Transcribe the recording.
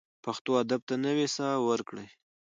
پښتو ادب ته نوې ساه ورکړئ.